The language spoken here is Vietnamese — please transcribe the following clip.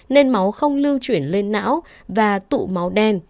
nên máu không lưu chuyển lên não và tụ máu đen